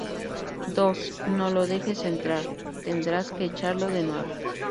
Dos: No lo dejes entrar, tendrás que echarlo de nuevo.